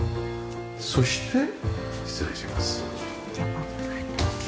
そして失礼します。